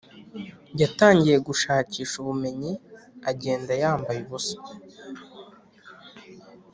yatangiye gushakisha ubumenyi agenda yambaye ubusa,